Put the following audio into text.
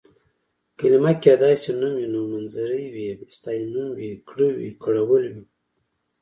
کلمه کيدای شي نوم وي، نومځری وي، ستاینوم وي، کړ وي، کړول وي...